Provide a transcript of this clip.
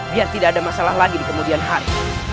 biar tidak ada masalah lagi di kemudian hari